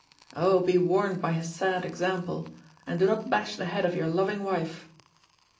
Oh, be warned by his sad igsample, and do not bash the head of your loving wife."